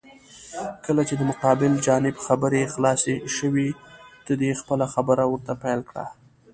کله چې د مقابل جانب خبرې خلاسې شوې، ته دې خپله خبره ورته پېل کړه.